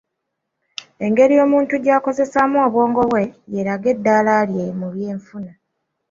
Engeri omuntu gy'akozesaamu obwongo bwe yeeraga eddaala lye mu by'enfuna.